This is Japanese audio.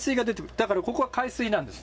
だからここは海水なんです。